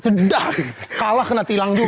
sedang kalah kena tilang juga